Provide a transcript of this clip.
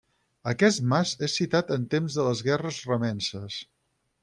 Aquest mas és citat en temps de les guerres remences.